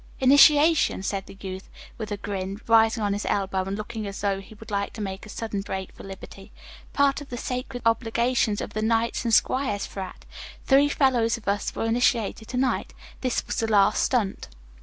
"Initiation," said the youth, with a grin, rising on his elbow and looking as though he would like to make a sudden break for liberty. "Part of the sacred obligations of the 'Knights and Squires' frat. Three fellows of us were initiated to night. This was the last stunt."